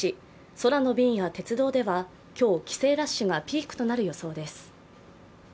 空の便や鉄道では、今日、帰省ラッシュがピークとなる予想です。